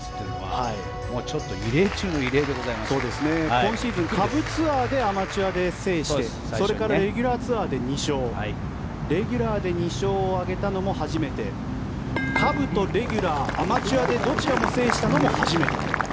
今シーズン下部ツアーでアマチュアで制してそれからレギュラーツアーで２勝レギュラーを２勝を挙げたのも初めて下部とレギュラー、アマチュアでどちらも制したのも初めて。